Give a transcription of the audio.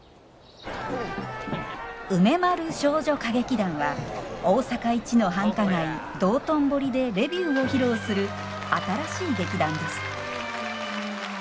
梅丸少女歌劇団は大阪一の繁華街道頓堀でレビューを披露する新しい劇団です